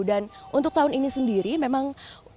dan untuk tahun ini sendiri memang